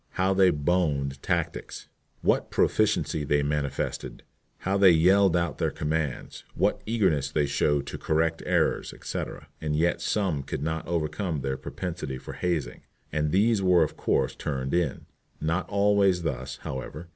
How they "boned" tactics! What proficiency they manifested! How they yelled out their commands! What eagerness they showed to correct errors, etc. And yet some could not overcome their propensity for hazing, and these were of course turned in. Not always thus, however.